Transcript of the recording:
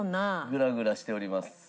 グラグラしております。